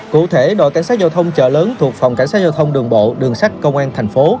cụ thể đội cảnh sát giao thông chợ lớn thuộc phòng cảnh sát giao thông đường bộ đường sắt công an thành phố